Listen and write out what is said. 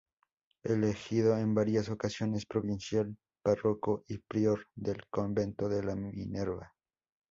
Elegido en varias ocasiones provincial, párroco y prior del convento de la Minerva.